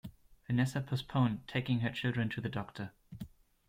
Vanessa postponed taking her children to the doctor.